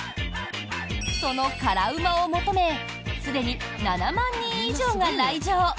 その辛うまを求めすでに７万人以上が来場。